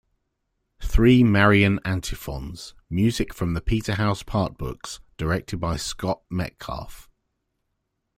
Three Marian Antiphons : Music from the Peterhouse Partbooks, directed by Scott Metcalfe.